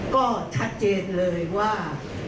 ก็ชัดเจนเลยว่า